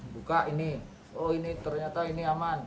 buka ini oh ini ternyata ini aman